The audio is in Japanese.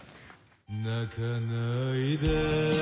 「泣かないで」